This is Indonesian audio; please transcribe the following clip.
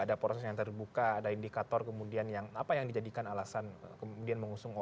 ada proses yang terbuka ada indikator kemudian yang apa yang dijadikan alasan kemudian mengusung